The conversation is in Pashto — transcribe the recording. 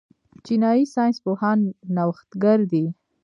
چینايي ساینس پوهان نوښتګر دي.